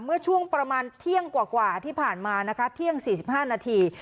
เมื่อช่วงประมาณเที่ยงกว่าที่ผ่านมานะคะเที่ยง๔๕นาที